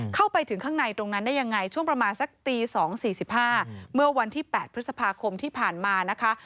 เข้าไปถึงข้างในตรงนั้นได้ยังไงช่วงประมาณสักตี๒๔๕เมื่อวันที่๘พฤษภาคมที่ผ่านมานะคะ